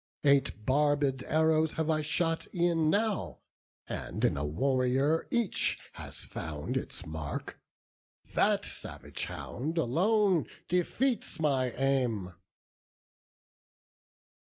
Eight barbed arrows have I shot e'en now, And in a warrior each has found its mark; That savage hound alone defeats my aim."